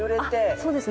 そうですね。